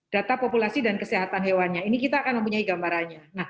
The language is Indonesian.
data populasi dan kesehatan hewannya ini kita akan mempunyai gambarannya